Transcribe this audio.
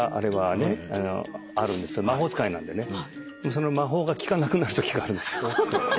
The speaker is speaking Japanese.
その魔法がきかなくなるときがあるんです。